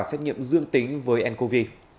xét nghiệm dương tính với ncov